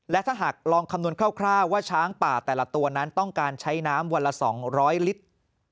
และถ้าหากลองคำนวณคร่าวว่าช้างป่าแต่ละตัวนั้นต้องการใช้น้ำวันละ๒๐๐ลิตร